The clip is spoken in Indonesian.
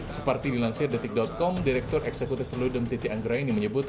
seperti dilansir detik com direktur eksekutif perludem titi anggra ini menyebut